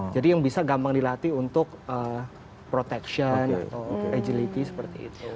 jadi yang bisa gampang dilatih untuk protection atau agility seperti itu